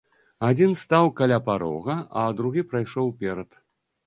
Адзін стаў каля парога, а другі прайшоў уперад.